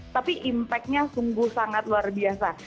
tapi impact nya sungguh sangat luar biasa